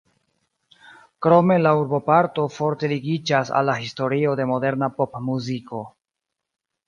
Krome la urboparto forte ligiĝas al la historio de moderna popmuziko.